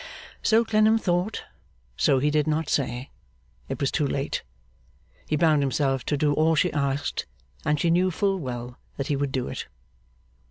So Clennam thought. So he did not say; it was too late. He bound himself to do all she asked, and she knew full well that he would do it.